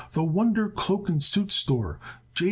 The Wonder Cloak and Suit Store, J.